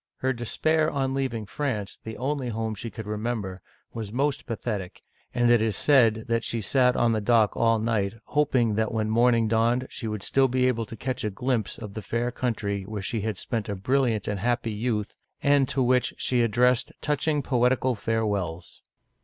Her despair on leaving France, the only home she could remember, was most pathetic, and it is said she sat on deck all night, hoping that when morning dawned she would still be able to catch a glimpse of the fair coun try where she had spent a brilliant and happy youth, and to which she addressed touching poetical farewells.